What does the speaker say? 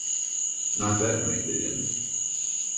Not that night they didn't.